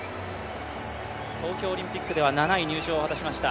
東京オリンピックでは７位入賞を果たしました。